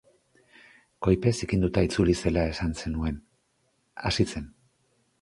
Koipez zikinduta itzuli zela esan zenuen, hasi zen.